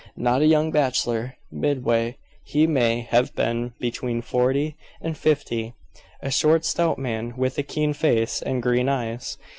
Not a young bachelor; midway, he may have been between forty and fifty. A short stout man, with a keen face and green eyes.